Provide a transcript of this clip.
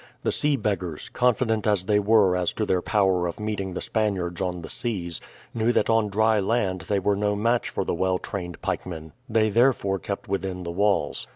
The sea beggars, confident as they were as to their power of meeting the Spaniards on the seas, knew that on dry land they were no match for the well trained pikemen; they therefore kept within the walls.